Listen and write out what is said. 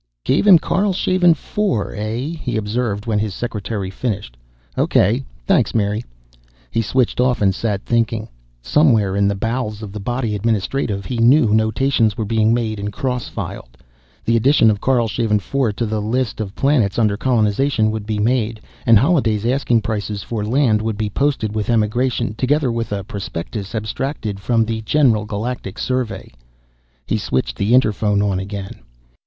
"Gave him Karlshaven IV, eh?" he observed when his secretary'd finished. "O.K. Thanks, Mary." He switched off and sat thinking. Somewhere in the bowels of the Body Administrative, he knew, notations were being made and cross filed. The addition of Karlshaven IV to the list of planets under colonization would be made, and Holliday's asking prices for land would be posted with Emigration, together with a prospectus abstracted from the General Galactic Survey. He switched the interphone on again.